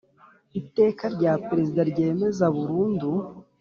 Iteka rya Perezida ryemeza burundu